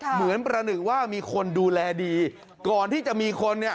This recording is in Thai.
เหมือนประหนึ่งว่ามีคนดูแลดีก่อนที่จะมีคนเนี่ย